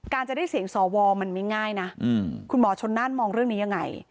จะได้เสียงสวมันไม่ง่ายนะคุณหมอชนน่านมองเรื่องนี้ยังไง